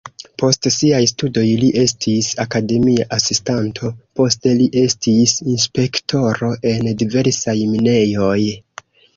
Post siaj studoj li estis akademia asistanto, poste li estis inspektoro en diversaj minejoj.